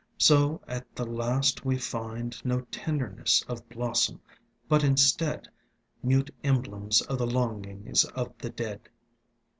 So at the last we find No tenderness of blossom, but instead Mute emblems of the longings of the dead.